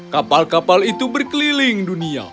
kapal kapal itu berkeliling dunia